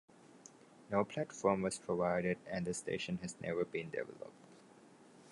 No platform was provided, and the station has never been developed.